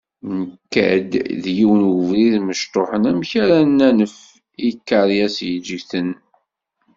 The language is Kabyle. Nekka-d d yiwen webrid mecṭuḥen amek ara nanef i ikeṛyas yeggten.